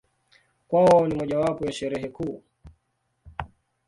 Kwao ni mojawapo ya Sherehe kuu.